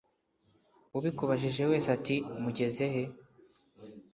ubikubajije wese ati mugeze he